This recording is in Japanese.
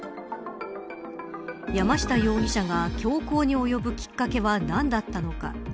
山下容疑者が凶行に及ぶきっかけは何だったのか。